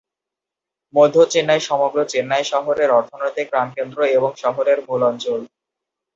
মধ্য চেন্নাই সমগ্র চেন্নাই শহরের অর্থনৈতিক প্রাণকেন্দ্র এবং শহরের মূল অঞ্চল।